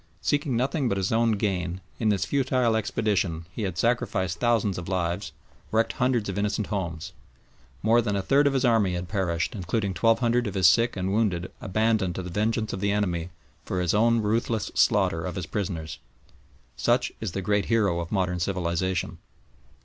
Seeking nothing but his own gain, in this futile expedition he had sacrificed thousands of lives, wrecked hundreds of innocent homes. More than a third of his army had perished, including twelve hundred of his sick and wounded abandoned to the vengeance of the enemy for his own ruthless slaughter of his prisoners. Such is the great hero of modern civilisation!